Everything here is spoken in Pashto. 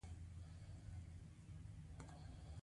امیر سیورغتمیش په زندان کې وو.